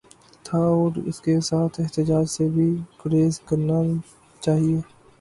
تھا اور اس کے ساتھ احتجاج سے بھی گریز کرنا چاہیے۔